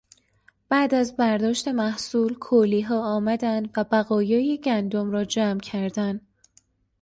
بعد از برداشت محصول کولیها آمدند و بقایای گندم را جمع کردند.